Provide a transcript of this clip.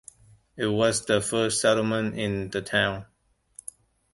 It was the first settlement in the town.